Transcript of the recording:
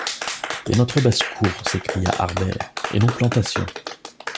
Et notre basse-cour, s’écria Harbert, et nos plantations?...